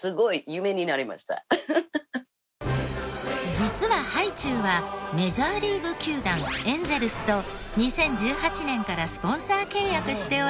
実はハイチュウはメジャーリーグ球団エンゼルスと２０１８年からスポンサー契約しており。